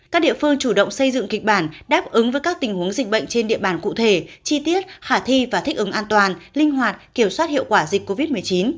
các địa phương chủ động xây dựng kịch bản đáp ứng với các tình huống dịch bệnh trên địa bàn cụ thể chi tiết khả thi và thích ứng an toàn linh hoạt kiểm soát hiệu quả dịch covid một mươi chín